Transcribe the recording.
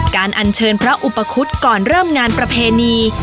อันเชิญพระอุปคุฎก่อนเริ่มงานประเพณี